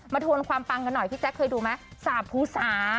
ทวนความปังกันหน่อยพี่แจ๊คเคยดูไหมสาภูสา